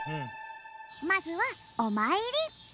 まずはおまいり。